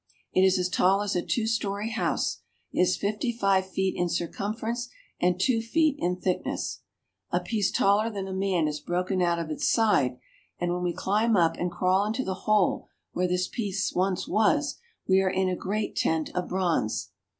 It is as tall as a two story house, is fifty five feet in circumference, and two feet in thickness. A piece taller than a man is broken out of its side, and when we climb up and crawl into the hole where this piece once was, we are in a great tent of bronze.